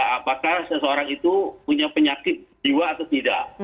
apakah seseorang itu punya penyakit jiwa atau tidak